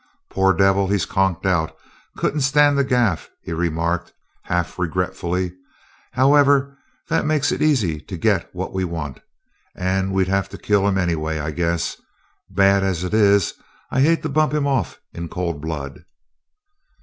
"Poor devil, he's conked out couldn't stand the gaff," he remarked, half regretfully. "However that makes it easy to get what we want, and we'd have had to kill him anyway, I guess Bad as it is, I'd hate to bump him off in cold blood."